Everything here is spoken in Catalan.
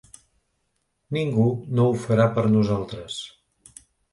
Ningú no ho farà per nosaltres.